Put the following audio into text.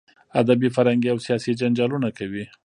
ادبي، فرهنګي او سیاسي جنجالونه کوي.